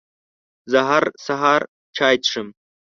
زه هر سهار چای څښم.